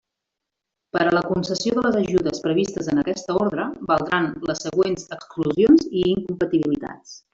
Per a la concessió de les ajudes previstes en aquesta ordre, valdran les següents exclusions i incompatibilitats.